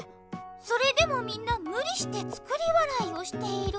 それでもみんなむりして作り笑いをしている。